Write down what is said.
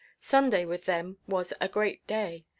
Sunday with them was a great day.